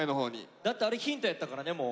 だってあれヒントやったからね。